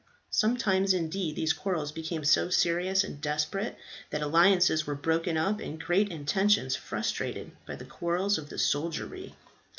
Sometimes indeed these quarrels became so serious and desperate that alliances were broken up and great intentions frustrated by the quarrels of the soldiery.